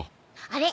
あれ？